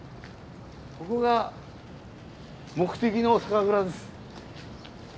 ここが目的の酒蔵です。